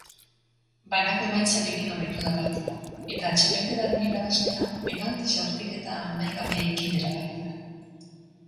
Banako emaitzarekin amaitu da partida eta txapelketaren irabazlea penalti jaurtiketa amaigabeekin erabaki da.